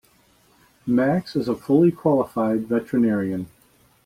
Max is a fully qualified veterinarian.